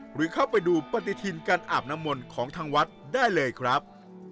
หรือเข้าไปดูปฏิทินการอาบน้ำมนต์ของทางวัดได้เลยครับ